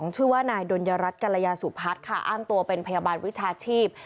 ชื่อว่านายดนยรัฐกรยาสุพัฒน์ค่ะอ้างตัวเป็นพยาบาลวิชาชีพ